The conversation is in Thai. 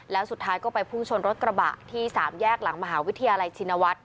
แล้วสุดท้ายก็ไปพุ่งชนรถกระบะที่๓แยกหลังมหาวิทยาลัยชินวัฒน